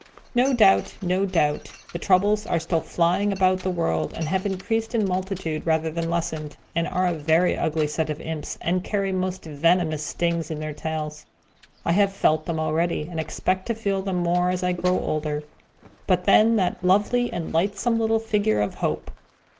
No doubt no doubt the Troubles are still flying about the world, and have increased in multitude, rather than lessened, and are a very ugly set of imps, and carry most venomous stings in their tails. I have felt them already, and expect to feel them more, as I grow older. But then that lovely and lightsome little figure of Hope!